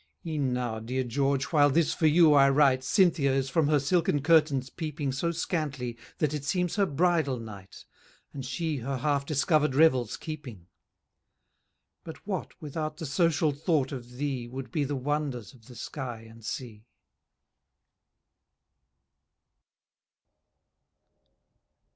E'en now, dear George, while this for you I write, Cynthia is from her silken curtains peeping So scantly, that it seems her bridal night, And she her half discover'd revels keeping. But what, without the social thought of thee, Would be the wonders of the sky and sea?